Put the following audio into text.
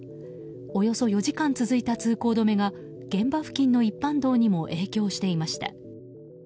およそ４時間続いた通行止めが現場付近の一般道にも影響していました。